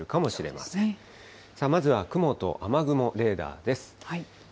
まずは雲と雨雲レーダーです。